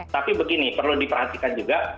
tapi begini perlu diperhatikan juga